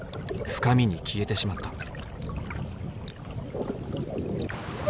深みに消えてしまった。